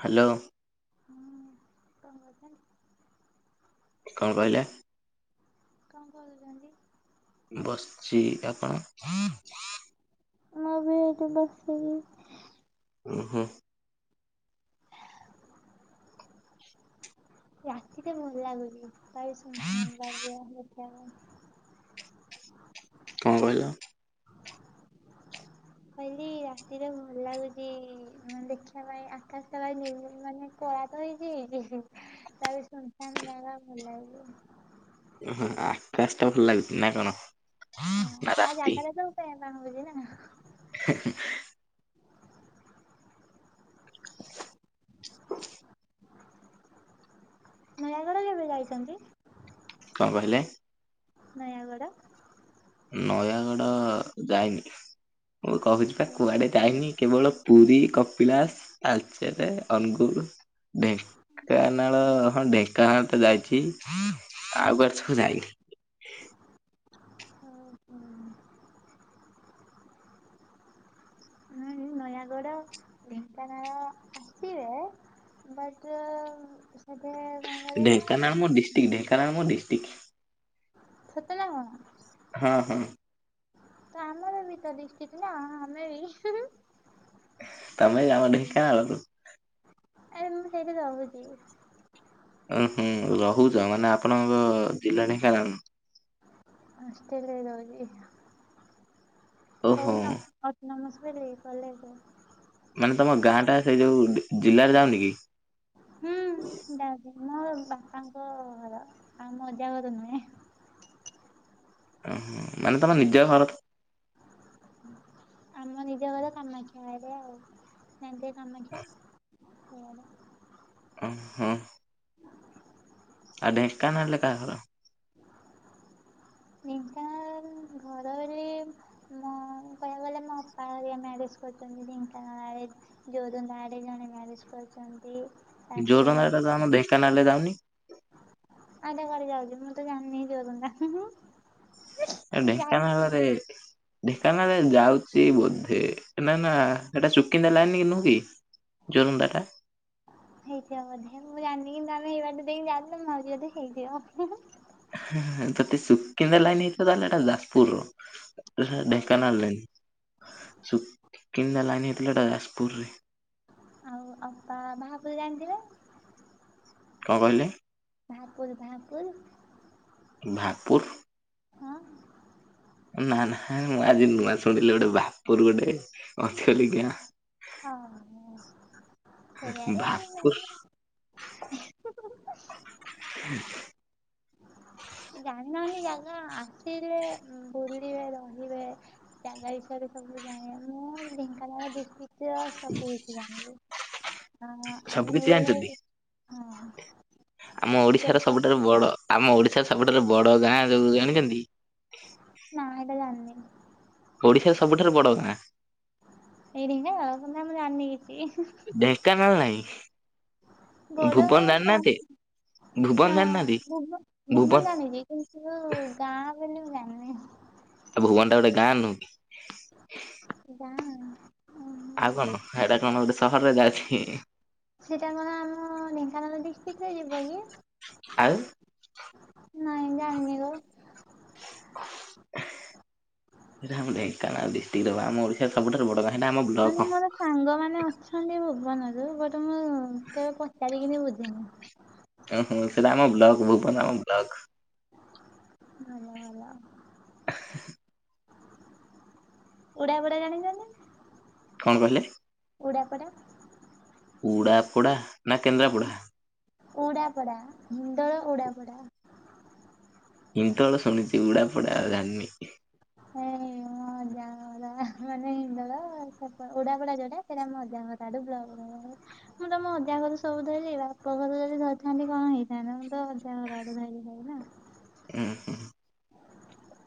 Hello. ହୁଁ କଣ କରୁଛନ୍ତି? କଣ କହିଲେ? କଣ କରୁଛନ୍ତି? ବସିଛି ଆପଣ? ମୁ ବି ଏଇଠି ବସିିଚି। ଉଁ ହୁଁ। ରାତିରେ ଭଲ ଲାଗୁଚି ଖାଲି ଶୂନ ସାନ ଲାଗିବ ଦେଖିବା ପାଇଁ। କଣ କହିଲ? କହିଲି ରାତିରେ ଭଲ ଲାଗୁଛି ମାନେ ଦେଖିବା ପାଇଁ ଆକାଶ ଟା ଭାରି ନିର୍ମଳ ମାନେ କଳା ତ ହେଇଛି ତାପରେ ସୁନସାନ୍ ଜାଗା ଭଲ ଲାଗିବ। ଅହ ଆକାଶ ଟା ଭଲ ଲାଗୁଚି ନା କଣ? ହଁ ନା ଆଉ ରାତି? ଜାଗାଟା ତ ସବୁ ପେଁ ପାଁ ହଉଚି ନା। ହିଁ-ହିଁ। ନୟାଗଡ କେବେ ଯାଇଚନ୍ତି? କଣ କହିଲେ? ନୟାଗଡ଼। ନୟାଗଡ ଯାଇନି ମୁଁ କହୁଚି ପା କୁଆଡେ ଯାଇନି। କେବଳ ପୁରୀ କପିଳାସ ତାଳଚେରେ ଅନୁଗୁଳ୍ ଢେଙ୍କାନାଳ ହଁ ଢେ ତା ଅତେ ଯାଇଚି ଆଉ କୁଆଡେ ସବୁ ଯାଇନି। ହୁଁ ନୟାଗଡ ଢେଙ୍କାନାଳ ଆସିବେ ବାଟ ଏବେ ଆଉ ଢେଙ୍କାନାଳ ମୋଡିଷ୍ଟ୍ର୍କ ଢେଙ୍କାନାଳ ମୋଡିଷ୍ଟ୍ରିକ୍ଟ। ସତେନା କଣ? ହଁ-ହଁ। ତ ଆମର ବି ତ ଡିଷ୍ଟିକ୍ ନା ଆମେ ବି। ତମେ ଏଇ ଆମ ଢେଙ୍କାନାଳରୁ? ଆରେ ମୁଁ ସେଇଠି ରହୁଚି। ଓହୁଁ ରହୁଚ ମାନେ ଆପଣଙ୍କ ଜିଲ୍ଲା ଢେଙ୍କାନାଳ। ହଷ୍ଟଲେରେ ରହୁଚି ଓହୋ [unintelligible] ଅଟୋନୋମସ କହିଲେ କଲେଜ ମାନେ ତମ ଗାଁଟା ସେଇ ଯୋଉ ଡି ଜିଲ୍ଲାରେ ଯାଉନି କି? ହୁଁ ଯାଉଚି ମୋ ବାପାଙ୍କ ଘର ଆଉ ମୋ ଅଜା ଘର ନୁହେଁ। ଓହୋ ମାନେ ତମର ନିଜ ଘର ଆମ ନିଜ ଘର କାମାକ୍ଷା ଆଡେ ଆଉ ସେମତି କାମାକ୍ଷା। ଘର ଅହଁ। ଆଉ ଢେଙ୍କାନାଳରେ କାହା ଘର? ଢେଙ୍କାନାଳରେ ଘରରେ ମୋ କହିବାକୁ ଗଲେ ମୋ ଅପା ହରିକା ମ୍ୟାରେଜ୍ କରଚନ୍ତି ଢେଙ୍କାନାଳ ଆଡେ। ଜୋରନ୍ଦା ଆଡେ ଜଣେ ମ୍ୟାରେଜ୍ କରିଚନ୍ତି। ଜୋରନ୍ଦାଟା ତ ଆମ ଢେଙ୍କାନାଳରେ ଯାଉନି। ଆଉ ଏଟା କୁଆଡେ ଯାଉଚି ମୁଁ ତ ଜାଣନି ଜୋରନ୍ଦା। [unintelligible] ଏ ଯାଇ ଢେଙ୍କାନାଳରେ ଢେଙ୍କାନାଳରେ ଯାଉଚି ବୋଧେ ନା ନା ସେଟା ସୁୁକିନ୍ଦା ଲାଇନକି ନୁହୁଁ କି? ଜୋରନ୍ଦାଟା? ହେଇଥିବ ବୋଧେ ମୁଁ ଜାଣନି କିନ୍ତୁ ଆମେ ଏଇ ବାଟେ ଦେଇକି ଯାଇଥିଲୁ ମାଉସୀ ହଟି ହେଇଥିବ ହୁଁ ହୁଁ। ହୁଁ ହୁଁ ଯଦି ସୁକିନ୍ଦା ଲାଇନ୍ ହେଇଥିବ ତାହେଲେ ଏଟା ଯାଜପୁରର। ତ ସେଟା ଆଉ ଢେଙ୍କାନାଳ ଲାଇନ୍ ସୁକିକିନ୍ଦା ଲାଇନ ହେଇଥିଲେ ହେଟା ଯାଜପୁରରେ। ଆଉ ଅପା ବାହାପୁର ଜାଣିଥିବେ? କଣ କହିଲେ? ବାହାପୁର ବାହାପୁର ଭାପୁର୍ ହଁ ନାଁ ନାଁହାଁ ମୁଁ ଆଜି ନୂଆ ଶୁଣିଲି ଗୋଟେ ବାହାପୁର ଗୋଟେ ଅଛି ବୋଲି ଗାଁ। ଅ ହଁ ସେଇଆଡେ ଭାପୁର ମ୍ୟାରେ ହୁଁ। ଜାଣିନାହାନ୍ତି ଜାଗା ଆସିଲେ ବୁଲିବେ ରହିବେ। ଜାଗା ବିଷୟରେ ସବୁ ଜାଣେ ମୁଁ ଢେଙ୍କାନାଳ ଡିଷ୍ଟ୍ରିକ୍ଟର ସବୁ କିଛି ଜାଣିବି। ଅଁ ହଁ ସବୁ କିଛି ଜାଣିଛନ୍ତି? ଅନୁଗୁଳରେ ହଁ ଆମ ଓଡିଶାର କେବେ ସବୁଠାରୁ ବଡ ଆମ ଓଡିଶାର ସବୁଠାରୁ ବଡ ଗାଁ ଯୋଉ ଜାଣିଚନ୍ତି? ନା ହେଟା ଜାଣନି। ଓଡିଶାର ସବୁଠାରୁ ବଡ ଗାଁ? ଏଇଠି ନା [unintelligible] ମୁଁ ଜାଣନି କିଛି। ଢେଙ୍କାନାଳ ନାଇଁ। ବଡ଼ ଗାଁ କଁ? ଭୁବନ ନା ଜାଣିନାହାନ୍ତି ଭୁବ ଭୁବନ ଜାଣିଚି କି କିନ୍ତୁ ଗାଁ ବୋଲି ମୁଁ ଜାଣନେଇ। ଆଉ ଭୁବନଟା ଗୋଟେ ଗାଁ ନୁହୁଁ କି? ତୁ କଣା ହୁଁ। ଆଉ କଣ ଏଇଟା କଣ ଗୋଟେ ସହରରେ ଯାଉଛି? ସେଇଟା କଣ ଆମ ଢେଙ୍କାନାଳ ଡିଷ୍ଟ୍ରିକ୍ଟରେ ଯିବ କି? ଆଉ ନାଇଁ ଜାଣିନି ଗୋ ସେଇଟା ଢେଙ୍କାନାଳ ଡିଷ୍ଟ୍ରିକଟ ର ବା ଆମ ଓଡିଶାର ସବୁଠାରୁ ବଡ଼ ଗାଁ। ସେଇଟା ଆମ ବ୍ଲକ। ମାନେ ମୋର ସାଙ୍ଗମାନେ ଅଛନ୍ତି ଭୁବନରୁ ବଟ ମୁଁ କେବେ ପଚାରିକିନି ବୁଝିନି? ଓ ହଁ ସେ ରାମ ବ୍ଲକ ଭୁବନ ଆମ ବ୍ଲକ। ଭଲ, ଭଲ। ଓଡିଆ ଫୋଡ଼ିଆ ଜାଣିଛନ୍ତି? କଣ କହିଲେ? କୁଳିଆପଡା। ଉଡ଼ାପଡ଼ା ନା କେନ୍ଦ୍ରାପଡ଼ା? ଉଡ଼ାପଡା ମୁଣ୍ଡଳ ଉଡାପଡା। ଇନ୍ଦୋଳ ଶୁଣିଛି ଉଡ଼ା ପଡା ଜାଣିନି। ହେ ହଁ ଯା ମାନେ ହିଣ୍ଡଳ ସେ ଉଡାପଡା ଯୋଉଟା ସେଇଟା ମୋ ଅଜା ମତାଡୁ ବ୍ଲକ ମୁଁ ତ ମୁଁ ଅଜା ଘରେ ସବୁ ଧରଲି ବାପ ଘର ଯଦି ଧରିଥାନ୍ତି କଣ ହେଇଥାନ୍ତା ମୁଁ ତ ଅଜା ଘର ଧରଲି ଖାଇ ନା। ଓଁ ହୁଁ।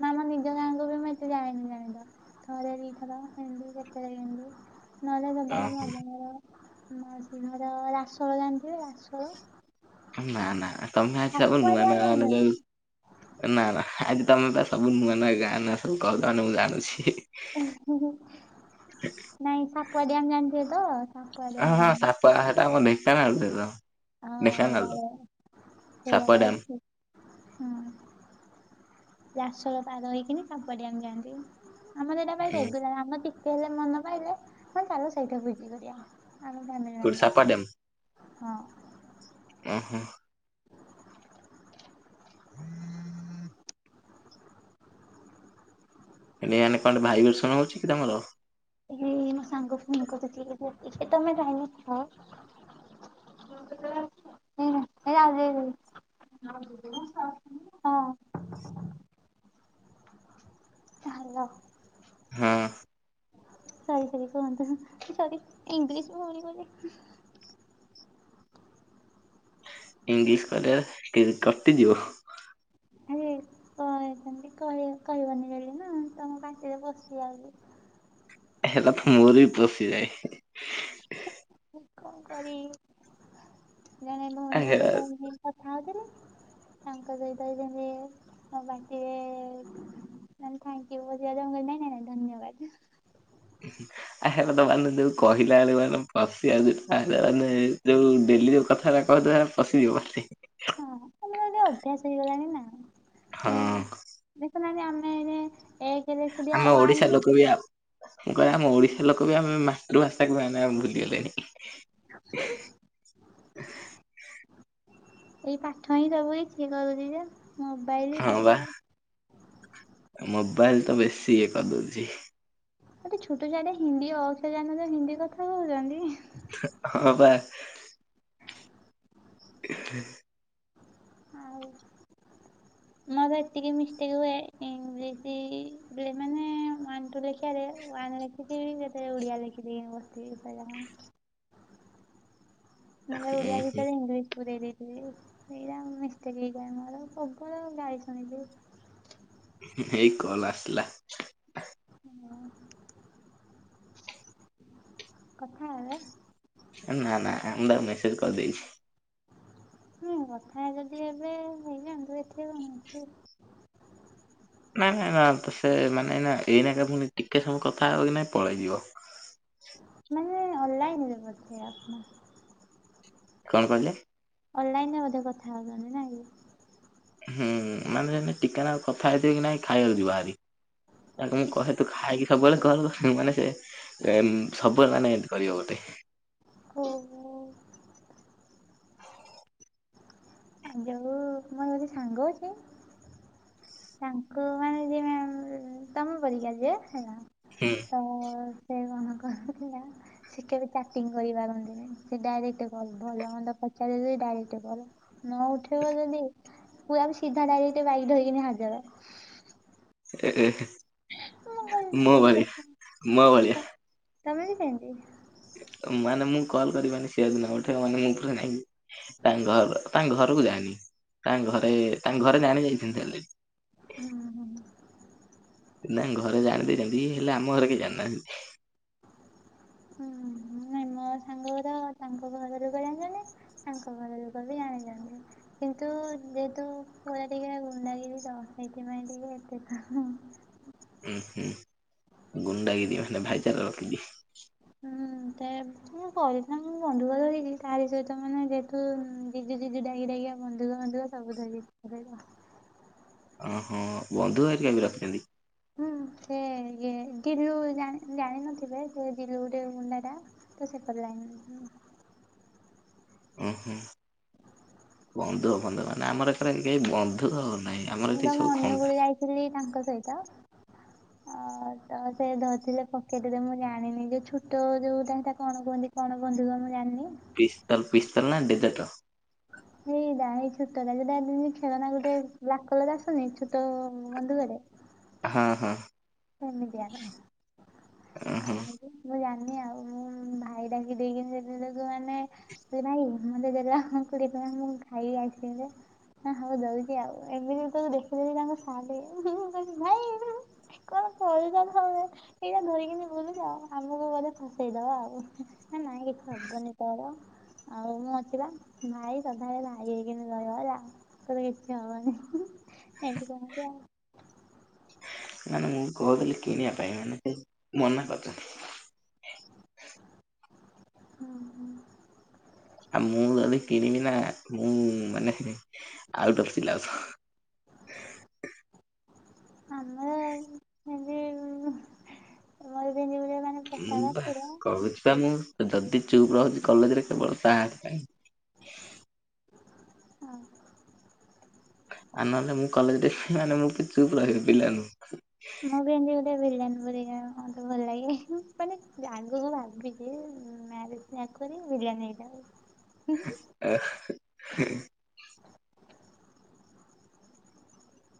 ମୁଁ ମୋ ନିଜ ଗାଁଙ୍କୁ ବି ମୁଁ ଏତେ ଜାଏନି ଜାଣିଛ ଥରେ ଦିଥର କେମିତି କେତେବେଳେ କେମତି? ନହେଲେ ଦବାରେ ଓହୋ ମଜା କରର ଶୀଘର ରାସୋଳ ଜାଣିଥିବେ ରାସୋଳ? ନା ନା ତମେ ଅଛବ ସାପୁଆ ନୂଆ ଡ୍ୟାମ୍ ଜାଣିଚ ନୂଆ ନା? [inaudible] ନା ନା ଆଜି ତମେ ବା ସବୁ ନୁଆ ନୂଆ ଗାଁ ନା ସବୁ କହୁଛ ମୁଁ ଜାଣିଛି। ନାଇଁ ସାପୁଆ ଡ୍ୟାମ ଜାଣିଛ ତ? ସାପୁଆ ହଁ ହଁ ଡ୍ୟାମ୍ ସାପୁଆ ଡ୍ୟାମ୍‌ ଆମ ଢେଙ୍କାନାଳରେ ତ। ହଁ ଢେଙ୍କାନାଲରେ ଏଇଆଡେ ସାପୁଆ ଡ୍ୟାମ। ହୁଁ। ରାସୋଳ ତାର ହେଇକିନି ସାପୁଆ ଡ୍ୟାମ ଯାଆନ୍ତି। ଆମର ଏଇଟା ଭାଇ ଉଁ। ରେଗୁଲାର ଆମର ହେଲେ ମନ ପାଇଲେ ମୁଁ ଚାଲୁ ସେଇଠା ବିକ କରିବା କୋଉଠି ଆମ ସାପ ବସ ହଁ। ଏ ହେଁ। ହୁଁ [inaudible] ରେନେ କଣ ଭାଇବେସଣ ହଉଛି କି ତମର? ଏଇ ମୋ ସାଙ୍ଗ ଫୋନ୍ କରୁଛି ଟିକେ ତମେ ଲାଇନରେ ଥାଅ। ତମେ କେତେବେଳେ ଆସିଲ ହଁ? [inaudible] ହଁ। [inaudible] ହାଲୋ। ହୁଁ। [inaudible] ଇଂଲିଶ୍ କୁହନି। ଇଂଲିଶ କହିଲେ କି କଟିଯିବ। ଆ କହ ସେମିତି କହ କହିବନି ବୋଲିନା ତମ ପାଟିରେ ପଶିଯାଉଛି ହେଟା ମୋର ବି ପଶିଯାଏ। ମୁଁ କଣ କରିବି ଜଣେ ଆ ଭଉଣୀଙ୍କ ହେରା ସହିତ କଥା ହଉଥିଲେ। ତାଙ୍କ ସହିତ ଇଏ ଯେମିତି ବାଣ୍ଟିବେ-ଏ ମାନେ ଥ୍ୟାଙ୍କୟୁ [unintelligible] ନାଇଁ ନାଇ ଧନ୍ୟବାଦ ଉଁ, ହୁଁ। ଆ ହେରା ତ, ମାନେ ଯୋଉ କହିଲା ବେଳେ, ମାନେ ପସିି ଆସିଥାଏ, ସେମାନେ ଯୋଉ ଡେଲି ଯୋଉ କଥାରା କଦେଖା ପସିଯିବ, ପସି। ହଁ, ଆମର ଏଟା ଅଭ୍ୟାସ ହେଇଗଲାଣି ନା, ହଁ ଏଁ ଦେଖୁନାହାଁନ୍ତି, ଆମେ ଏଇନେ ଏଗ, ଆମେ ଓଡିଶା ଲୋକ ବି ଆପ୍ ମୁଁ, କହେ ଆମ ଓଡିଶା ଲୋକ ବି ଆମେ ମାତୃଭାଷା କୁ ଭୁଲିଗଲେଣି। ହୁଁ, ହୁଁ। ଏଇ ପାଠ ହିଁ ସବୁ ଇକି କରୁଛି ଯେ, ମୁଁ ହଁ, ବା। ମୋବାଇଲ୍ ତ ବେଶୀ ଇଏ କରିଦଉଛି। ଗୋଟେ ଛୋଟ ଛୁଆଟେ, ହିନ୍ଦୀ ଅକ୍ଷ ଜାଣନଥିବେ, ହିନ୍ଦୀ କଥା କହୁଚନ୍ତି। ହଁ, ପା। [inaudible] ଆଉ ମୋର ଏତିକି ମିଷ୍ଟେକ୍ ହୁଏ। ଇଂଲିଶି ବିଳ୍ ମାନେ ୱାନ୍ ଟୁ ଲେଖିଆରେ, ୱାନ୍ ଲେଖିଥିବି, ଯେତେ ଓଡିଆ ଲେଖିଦିଏଁ ବସଥିବି। ସଇଲା କାମ। ନହେଲେ ଓଡିଆ ଭିତରେ ଇଂଲିଶ ପୁରେଇ ଦେଇ ସେ ହେଇରା ମିଷ୍ଟେକ୍ ହେଇଯାଏ ମୋର। ପ୍ରବଳ ଗାଳି ଶୁଣିଲି। ହେଇ କଲ୍ ଆସଲା। ଇ ମା କଥା ହେବେ? ନା, ନା, ଆମୁଁ ତାକୁ ମେସେଜ କରିଦେଇଛି। ନୁ କଥା ଯଦି ହେବେ, ହେଇଯାଆନ୍ତୁ, ଏଥିରେ କଣ ଅଛି? ନାଇଁ, ନାଇଁ, ନା ତ ସେ ମାନେନା ଏଇନାକେ ପୁଣି ଟିକେ ସମୟ କଥା ହବ କି ନାଇଁ, ପଳେଇଯିବ। ମାନେ ଅନ୍ଲାଇନ୍ ରେ ବୋଧେ ଆପଣ! କଣ କହିଲେ? ଅଲ୍ ଲାଇନ୍ ରେ ବଧେ କଥା ହଉଛନ୍ତି ନାକି? ହୁଁ, ମାନେ ଏନେ ଟିକେନାକୁ କଥା ହେଇଥିବ କି ନାଇଁ! ଖାଇବାକୁ ଯିବ ଭାରି। ତାକୁ ମୁଁ, କି? କହେ ତୁ ଖାଇ ସବୁବେଳେ କଲ୍ କରେ, ମାନେ ସେ ଏମ୍ ସବୁବେଳେ ମାନେ ଏଁତି କରିବ ଗୋଟେ। କୋବ ଆ ଯୋଉ ମୋର ଯଦି ସାଙ୍ଗ ଅଛି। ତାଙ୍କୁ ମାନେ ଯେ, ତମ ପରିକା ଯିଏ ହେଲା। ହୁଁ। ଅହଁ କହୁଥିଲା। ସେ କେବେ ଚାଟିଂ କରିପାରନ୍ତିନି? ସିଏ ଡାଇରେକ୍ଟ କଲ୍। ଭଲ ମନ୍ଦ ପଚାରିଲେ ଡାଇରେକ୍ଟ କଲ୍। ନ ଉଠେଇବ ଯଦି, ପୁରା ବି ସିଧା ଡାଇରେକ୍ଟ ବାଇକ୍ ଧରିକିନା ହଜାର। ଏ-ଏ, ମୁଁ ମୋ କହିଲି ଭଳିଆ, ଭାଇ ମୋ ଭଳିଆ। ତମେ ବି ସେଁତି! ମାନେ ମୁଁ କଲ୍ କରିବନି, ସେ ଯଦି ନ ଉଠେୟ, ମାନେ ମୁଁ ପୁରା ରାଗି ତାଙ୍କ ଘର ତାଙ୍କ ଘରକୁ ଯାଏନି। ତାଙ୍କ ଘରେ, ତାଙ୍କ ଘରେ ଜାଣି ଯାଇଛନ୍ତି ଅଲ୍ ରେଡି। ଉଁ, ହୁଁ। ତାଙ୍କ ଘରେ ଜାଣି ଦେଇଛନ୍ତି, ହେଲେ ଆମ ଘରେ କେହି ଜାଣିନାହାଁନ୍ତି? ହୁଁ ନାଇ ମୋ ସାଙ୍ଗ ଗୁଡା ତାଙ୍କ ଘରଲୋକ ଜାଣିଛନ୍ତି ଆଙ୍କ ଘରଲୋକ ବି ଜାଣିଛନ୍ତି। କିନ୍ତୁ ଯେହେତୁ ପୁଅଟା ଟିକେ ଗୁଣ୍ଡାଗିରି ତ ସେଇଥିପାଇଁ ଟିକେ ଏତେ ତ୍ ହୁଁ ହୁଁ ଗୁଣ୍ଡଗିରି ମାନେ ଭାଇଚାରା ରଖିଛି। ହୁଁ ତ ମୁଁ କହଥିଲା ମୁଁ ଗଣ୍ଡଗୋଳ କାହାରି ସହିତ ମାନେ ଯେ ତୁ ଜିଜେ ଜିଜେ ଡାକି ଡାକିଆ ବନ୍ଧୁ ମନ୍ଧୂକ ସବୁ ଧ ଅ ହଁ ବନ୍ଧୁକ ହେରିକା ବି ରଖିଛନ୍ତି। ହୁଁ ସେ ଇ ଦିଲୁ ଜାଣିିନଥିବେ ସେ ଦିଲୁ ଗୋଟେ ଗୁଣ୍ଡାଟା। ତ ସେପଟ ଲାଇନ୍ ହୁଁ। ଓହୋ ବନ୍ଧୁ ବନ୍ଧୁ ମାନେ ଆମର ଏଥିରେ କେହି ବନ୍ଧୁକ ନାହିଁ ଆମର ମୁଁ ଏଠି ତମ ସବୁ ଖଣ୍ଡା। ଅନୁଗୁଳ ଯାଇଥିଲି ତାଙ୍କ ସହିତ। ହ [inaudible] ଓ ତ ସେ ଧରିଥିଲେ ପକେଟରେ ମୁଁ ଜାଣିନି ଯୋଉ ଛୋଟ ଯୋଉଟା ତ କଣ କୁହନ୍ତି? କଣ କୁହନ୍ତି ମୁଁ ବା ଜାଣିନି? ପିସ୍ତଲ ପିସ୍ତଲ ନା ଡେଜର୍ଟର। ଏଇଟା ଏଇ ଛୋଟା ଯା ଖେଳନା ଗୋଟେ ବ୍ଲାକ୍ କଲର ଆସୁନି ଛୋଟ ବନ୍ଧୁକରେ ହଁ ହଁ। ହେମିତିଆର ଅ ହଁ ଆମକୁ ମୁଁ ଜାଣିନି ଆଉ ମୁଁ ଭାଇ ଡାକି ଦେଇକିନି ଯେତେବେଳେ ତାକୁ ମାନେ ଏ ଭାଇ ମୋତେ ଦେଲା କୋଡ଼ିଏ ଟଙ୍କା ମୁଁ ଖାଇବି ଆଇସକ୍ରିମଟା। ହ ହଉ ଦଉଛି ଆଉ ଏମିତି ତ ଦେଖିଦେବ ତାଙ୍କ ସା [inaudible] ଭାଇ। କଣ କରିଥାନ୍ତୁ ଆମେ ଏଇଟା ଧରିକିନି ବୁଲୁଛ ଆଉ ଆମକୁ ବୋଧେ ଫସେଇଦବ ଆଉ। ହ ନାଇଁ କିଛି ହବନି ତୋର ଆଉ ମୁଁ ଅଛି ଭାଇ ସଧାବେଳେ ଭାଇ ହେଇକିନି ରହିବ ହେଲା। ତୋର କିଛି ହବନି ଏନ୍ତି କହିଲା। ମାନେ ମୁଁ କହୁଥିଲି କିଣିବା ପାଇଁ ମାନେ ସେ ମନା କରଛନ୍ତି। ହଁ ହଁ। ଆଉ ମୁଁ ଯଦି କିଣିବିନା ମୁଁ ମାନେ ଆଉଟ ଅଫ ସିଲାବସ। [inaudible] ଆମର ସେମତି ମର ପିନ୍ଧିବ ମାନେ ମୁଁ ପ୍ରସ୍ତାବ ବା ଆସିଥିଲା କହୁଛି ବା ମୁଁ ଯଦି ଚୁପ୍ ରହୁଛି କଲେଜରେ କେବଳ ତାରି ପାଇଁ। ହଁ। ଆ ନହେଲେ ମୁଁ କଲେଜ ମାନେ ମୁଁ କି ଚୁପ ରହିବି ପିଲାଙ୍କୁ। ମୁଁ ବି ଏମତି ଗୋଟେ ଭିଲେନ୍ ପରିକା ମତେ ଭଲ ଲାଗେ ମାନେ ଆଗକୁ ଭାବିଛି। ମ୍ୟାରେଜ୍ ଆଗରୁ ଭିଳିଆନ୍ ହେଇଥାଉ। ଆ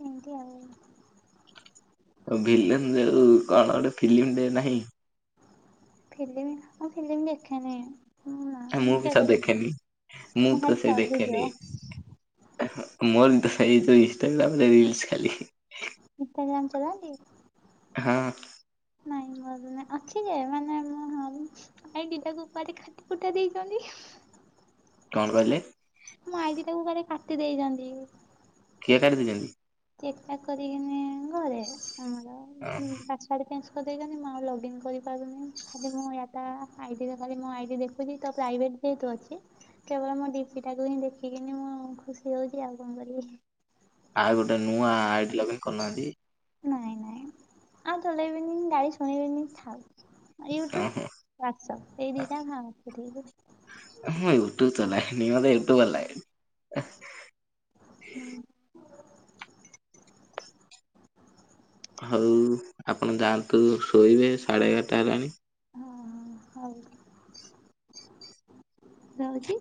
ଏମତି ଆଉ ଆଉ ଭିଲାଇନ୍ ଯୋଉ କଣ ଗୋଟେ ଫିଲ୍ମଟେ ନାହିଁ। ଫିଲ୍ମ ମୁଁ ଫିଲ୍ମ ଦେଖେନି। ନା ମୁଁ ବି ତ କେବେ ଦେଖିନି ଦେଖେନି ମୁଁ ତ ଖାଲି ସେ ସର୍ଟ ଭିଡିଓ ଦେଖେନି। ମୋ ତ ସେଇ ଇନଷ୍ଟାଗ୍ରାମ ରିଲସ ଖାଲି। ଇନଷ୍ଟାଗ୍ରାମ ଚଲାନ୍ତି। ହଁ। ନାଇଁ ମ ଅଛି ଯେ ମାନେ ମୁଁ ଆାଇ ଗଟାକୁ ଉପରେ କାଠୀ ପୁଟା ଦେଇଛନ୍ତି। କଣ କହିଲେ? ମୋ ଆଇ ଡି ଟାକୁ କୁଆଡେ କାଟି ଦେଇଚନ୍ତି। କିଏ କାଟି ଦେଇଚନ୍ତି? ଚେକ୍ ଚାକ୍ କରିବେନ ଘରେ ଆମର ହଁ ଉଁ ପାଞ୍ଚ୍ ଆଇ ଡି ଚେଞ୍ଜ କରିଦେଇଚନ୍ତି ମୁଁ ଆଉ ଲଗଇନ୍ କରିପାରୁନେଇ ଖାଲି ମୁଁ ୟା ତା ଆଇ ଡିରେ ଖାଲି ମୋ ଆଇ ଡ଼ି ଦେଖ୍ ଖୁଚି ତା ପ୍ରାଇଭେଟ ଯେହେତୁ ଅଛି। କେବଳ ମୋ ଡିପିଟାକୁ ହିଁ ଦେଖିକିନି ମୁଁ ଖୁସି ହୋଉଚି ଆଉ କଣ କରିବି। ଆଉ ଗୋଟେ ନୂଆ ଆଇ ଡି ଲଗିନ୍ କରୁନାହାନ୍ତି। ନାଇଁ ନାଇଁ ଆଉ ଚଲେଇବିନି କି ଗାଳି ଶୁଣିବିନି ଥାଉ। ୟୁଟ୍ୟୁବ୍ ଓହୋ ହ୍ୱାଟସପ୍ ଏଇ ଦିଇଟା [unintelligible] ମୁଁ ୟୁଟ୍ୟୁବ ଚଲାଏନି ମତେ ୟୁଟ୍ୟୁବ ଭଲ ଲାଗେନି। ହୁଁ। ହୋଉ ଆପଣ ଯାଆନ୍ତୁ ଶୋଇବେ ସାଢ଼େ ଏଗାରଟା ହେଲାଣି। ହଁ ହଁ ହୋଉ ରହୁଚି।